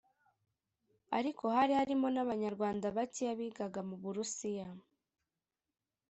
ariko hari harimo n’abanyarwanda bakeya bigaga mu Burusiya